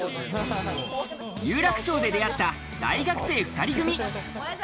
有楽町で出会った、大学生２人組。